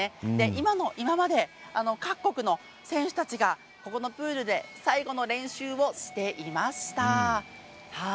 今の今まで各国の選手たちがここのプールで最後の練習をしていました。